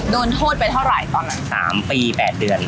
โดนโทษไปเท่าไหร่ตอนนั้น๓ปี๘เดือน